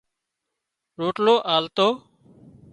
روٽلو آلتو